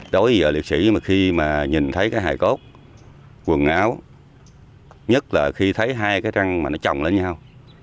đối với liệt sĩ mà khi mà nhìn thấy cái hài cốt quần áo nhất là khi thấy hai cái răng mà nó trồng lên nhau